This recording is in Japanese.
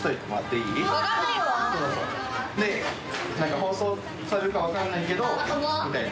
放送されるか分からないけどみたいな。